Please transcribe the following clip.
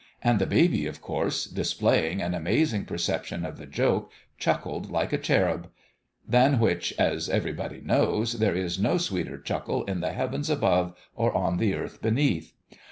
And the baby, of course, displaying an amazing perception of the joke, chuckled like a cherub : than which, as everybody knows, there is no sweeter chuckle in the heavens above or on the earth beneath.